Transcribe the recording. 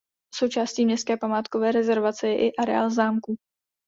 Součástí městské památkové rezervace je i areál zámku.